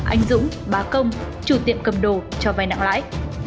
anh dũng ba công chủ tiệm cầm đồ cho vay nặng lãi